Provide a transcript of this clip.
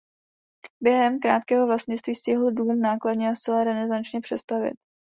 Během krátkého vlastnictví stihl dům nákladně a zcela renesančně přestavět.